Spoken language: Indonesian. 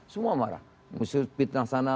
semua marah musuh fitnah sana